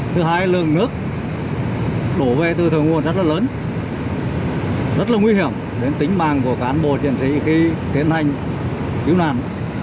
thứ hai lượng nước đổ về từ thượng nguồn rất là lớn rất là nguy hiểm đến tính mạng của cán bộ chiến sĩ khi tiến hành cứu nạn